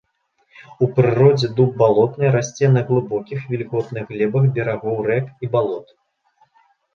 У прыродзе дуб балотны расце на глыбокіх, вільготных глебах берагоў рэк і балот.